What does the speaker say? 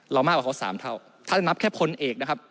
มากกว่าเขาสามเท่าถ้านับแค่พลเอกนะครับ